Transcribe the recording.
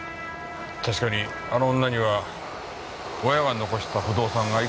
確かにあの女には親が残した不動産がいくつもあった。